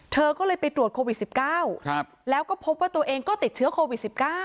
เธอก็เลยไปตรวจโควิด๑๙แล้วก็พบว่าตัวเองก็ติดเชื้อโควิด๑๙